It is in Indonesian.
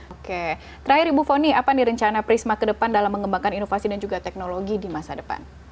oke terakhir ibu foni apa nih rencana prisma ke depan dalam mengembangkan inovasi dan juga teknologi di masa depan